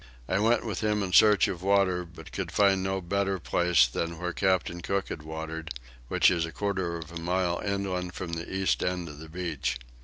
I went with him in search of water but could find no better place than where Captain Cook had watered, which is a quarter of a mile inland from the east end of the beach.